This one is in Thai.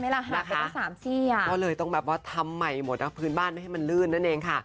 เราต้องทำใหม่หมดนะพื้นบ้านให้มันเรื่นนั่นเองค่ะ